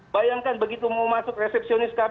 bayangkan begitu mau masuk resepsi